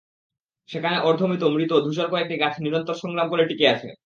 সেখানে অর্ধমৃত, মৃত, ধূসর কয়েকটি গাছ নিরন্তর সংগ্রাম করে টিকে আছে।